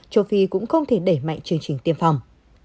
châu phi cũng không thể đẩy mạnh chương trình tiêm phòng